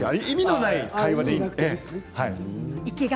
意味のない会話でいいんです。